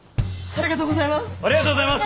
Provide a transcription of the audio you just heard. ありがとうございます！